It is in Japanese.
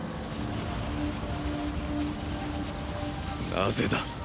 なぜだ？